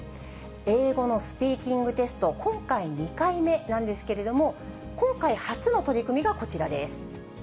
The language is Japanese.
英語のスピーキングテスト、今回、２回目なんですけれども、今回初の取り組みがこちらです。